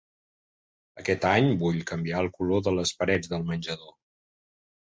Aquest any vull canviar el color de les parets del menjador.